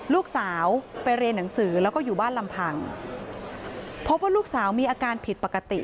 ลูกสาวไปเรียนหนังสือแล้วก็อยู่บ้านลำพังพบว่าลูกสาวมีอาการผิดปกติ